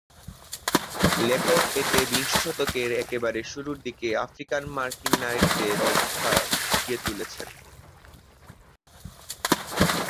লেখক এতে বিংশ শতকের একেবারে শুরুর দিকে আফ্রিকান-মার্কিন নারীদের অবস্থা ফুটিয়ে তুলেছেন।